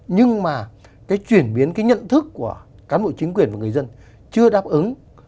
nhưng mà chuyển biến nhận thức của cán bộ chính quyền và người dân chưa đáp ứng